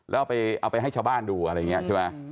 แล้วเอาไปให้ชาวบ้านดูอะไรอย่างนี้ใช่ไหม